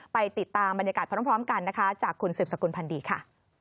ไปติดตามบรรยากาศพร้อมกันนะคะจากคุณสืบสกุลพันธ์ดีค่ะ